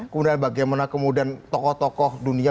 kemudian bagaimana kemudian tokoh tokoh dunia